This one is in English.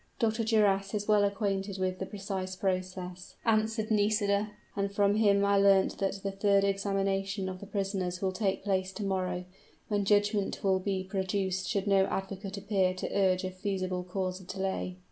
"Dr. Duras is well acquainted with the precise process," answered Nisida; "and from him I learnt that the third examination of the prisoners will take place to morrow, when judgment will be pronounced should no advocate appear to urge a feasible cause of delay."